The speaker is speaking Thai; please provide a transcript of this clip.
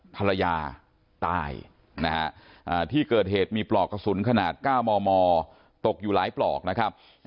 ภรรยาตายนะฮะที่เกิดเหตุมีปลอกกระสุนขนาด๙มมตกอยู่หลายปลอกนะครับ